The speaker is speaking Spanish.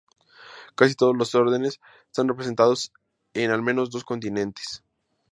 Casi todos los órdenes están representados en al menos dos continentes.